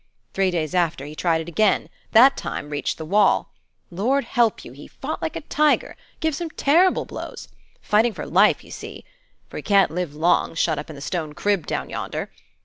Three days after, he tried it again: that time reached the wall. Lord help you! he fought like a tiger, giv' some terrible blows. Fightin' for life, you see; for he can't live long, shut up in the stone crib down yonder.